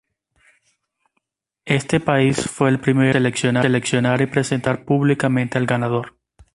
Este país fue el primero en seleccionar y presentar públicamente al ganador.